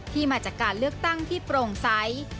ที่มาจากการเลือกตั้งที่โปร่งไซต์